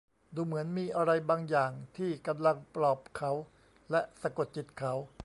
ดูเหมือนมีอะไรบางอย่างที่กำลังปลอบเขาและสะกดจิตเขา